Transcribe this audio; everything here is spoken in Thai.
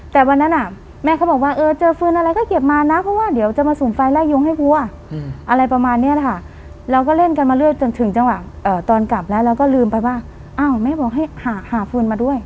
แต่วันนั้นแม่เขาบอกว่าเออเจอฟืนอะไรก็เก็บมานะเพราะว่าเดี๋ยวจะมาสูมไฟไล่ยุงให้วัวอะไรประมาณนี้นะคะเราก็เล่นกันมาเรื่อยจนถึงจังหวะตอนกลับแล้วเราก็ลืมไปว่าอ้าวแม่บอกให้หาฟืนมาด้วย